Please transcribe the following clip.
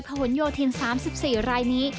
หนโยธิน๓๔รายนี้